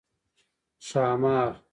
🐉ښامار